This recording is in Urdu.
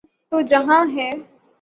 تو جہان ہے۔